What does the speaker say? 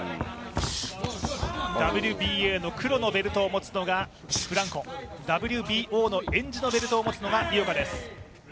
ＷＢＡの黒のベルトを持つのがフランコＷＢＯのエンジのベルトを持つのが井岡です。